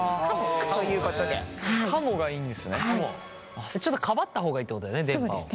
ちょっとかばった方がいいってことだよね電波を。